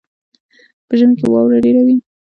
په ژمي کې واوره ډیره وي.